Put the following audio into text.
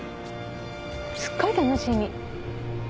すっごい楽しみ。